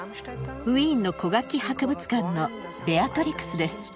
ウィーンの古楽器博物館のベアトリクスです。